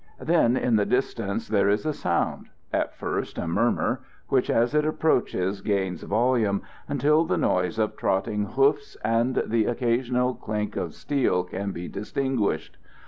Then in the distance there is a sound at first a murmur which as it approaches gains volume, until the noise of trotting hoofs and the occasional clink of steel can be distinguished.